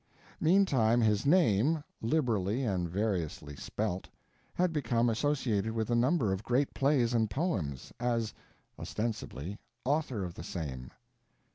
Meantime his name, liberally and variously spelt, had become associated with a number of great plays and poems, as (ostensibly) author of the same.